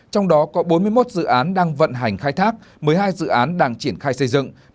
trong đó có bốn mươi một dự án đang vận hành khai thác một mươi hai dự án đang triển khai xây dựng